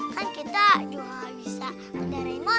kan kita juga bisa kendaraan motor